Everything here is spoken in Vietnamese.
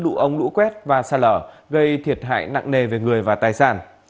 lũ ống lũ quét và xa lở gây thiệt hại nặng nề về người và tài sản